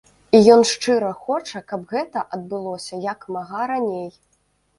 І ён шчыра хоча, каб гэта адбылося як мага раней.